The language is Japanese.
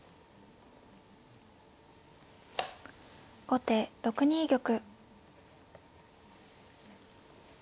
後手６二玉。